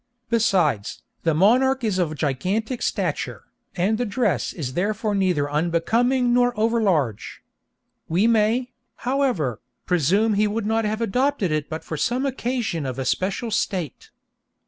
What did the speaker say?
Besides, the monarch is of gigantic stature, and the dress is therefore neither unbecoming nor over large. We may, however, presume he would not have adopted it but for some occasion of especial state.